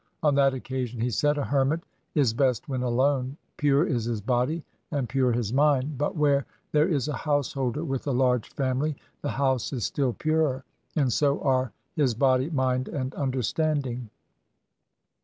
On that occasion he said, ' A hermit 232 THE SIKH RELIGION is best when alone ; pure is his body and pure his mind ; but where there is a householder with a large family, his house is still purer, and so are his body, mind, and understanding.'